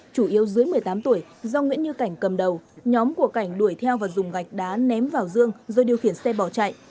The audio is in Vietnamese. chủ yếu dưới một mươi tám tuổi do nguyễn như cảnh cầm đầu nhóm của cảnh đuổi theo và dùng gạch đá ném vào dương rồi điều khiển xe bỏ chạy